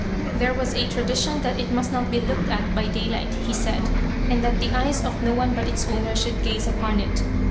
There was a tradition that it must not be looked at by daylight, he said, and that the eyes of no one but its owner should gaze upon it.